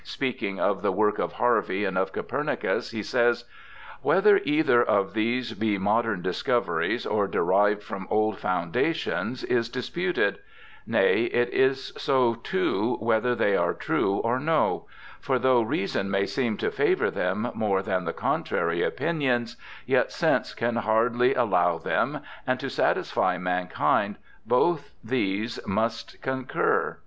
Speaking of the work of Harvey and of Copernicus he says :' Whether either of HARVEY 323 these be modern discoveries or derived from old founda tions is disputed; nay, it is so too, whether they are true or no ; for though reason may seem to favour them more than the contrary opinions, yet sense can hardly allow them, and to satisfy mankind both these must con cur.